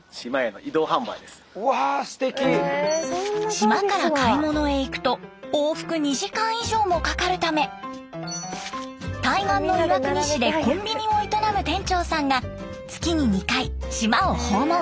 島から買い物へ行くと往復２時間以上もかかるため対岸の岩国市でコンビニを営む店長さんが月に２回島を訪問。